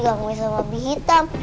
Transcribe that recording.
gak mau misal babi hitam